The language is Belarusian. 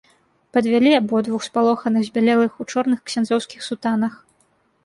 Падвялі абодвух, спалоханых, збялелых, у чорных ксяндзоўскіх сутанах.